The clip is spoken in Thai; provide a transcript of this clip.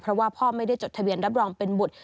เพราะว่าพ่อไม่ได้จดทะเบียนรับรองเป็นบุตร